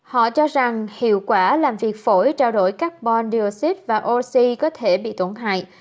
họ cho rằng hiệu quả làm việc phổi trao đổi carbon dioxid và oxy có thể bị tổn hại